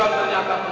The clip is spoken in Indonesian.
aku nggak dengar ya